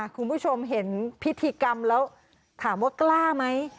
คุณผู้ชมเห็นพิธีกรรมแล้วถามว่ากล้าไหม